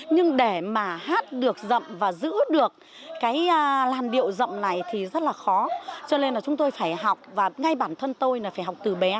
nhưng để mà hát được rậm và giữ được cái làn điệu rộng này thì rất là khó cho nên là chúng tôi phải học và ngay bản thân tôi là phải học từ bé